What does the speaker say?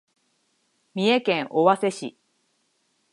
三重県尾鷲市